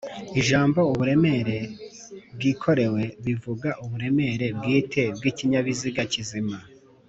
ijambo’’uburemere bwikorewe’’bivuga uburemere bwite bw’ikinyabiziga kizima